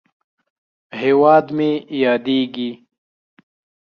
هیواد مې ياديږي